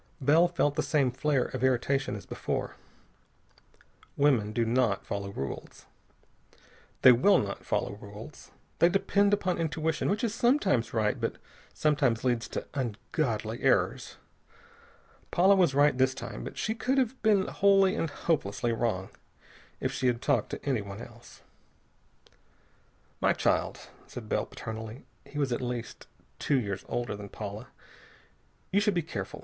Bell felt the same flare of irritation as before. Women do not follow rules. They will not follow rules. They depend upon intuition, which is sometimes right, but sometimes leads to ungodly errors. Paula was right this time, but she could have been wholly and hopelessly wrong. If she had talked to anyone else.... "My child," said Bell paternally he was at least two years older than Paula "you should be careful.